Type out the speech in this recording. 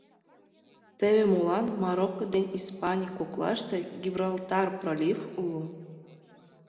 Теве молан: Марокко ден Испаний коклаште Гибралтар пролив уло.